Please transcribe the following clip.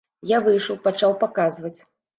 Я выйшаў, пачаў паказваць.